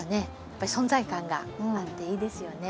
やっぱり存在感があっていいですよね。